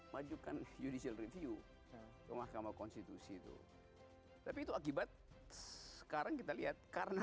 majukan judicial review ke mahkamah konstitusi itu tapi itu akibat sekarang kita lihat karena